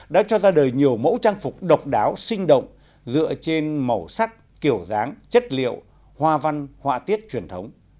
đã cho ra đời nhiều mẫu trang phục độc đáo sinh động dựa trên màu sắc kiểu dáng chất liệu hoa văn họa tiết truyền thống